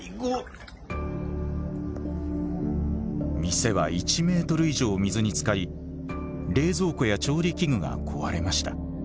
店は１ｍ以上水につかり冷蔵庫や調理器具が壊れました。